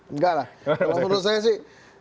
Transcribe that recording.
enggak lah kalau menurut saya sih